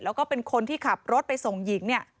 แล้วก็เป็นคนที่ขับรถไปส่งหญิงเนี่ย